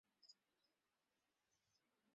তুমি কি চাও তারা তাকে আরামসে অপহরণ করুক?